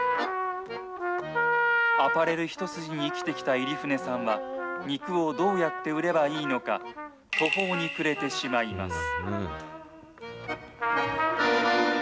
アパレル一筋に生きてきた入舩さんは、肉をどうやって売ればいいのか、途方に暮れてしまいます。